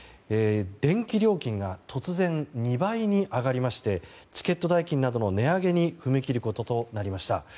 電気料金が突然２倍に上がりましてチケット代金などの値上げに踏み切ることとなりました。